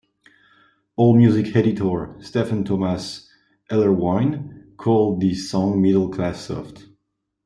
AllMusic editor Stephen Thomas Erlewine called this song middle-class soft.